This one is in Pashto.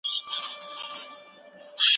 اقتصادي تګلارې باید وخت پر وخت بدلې سي.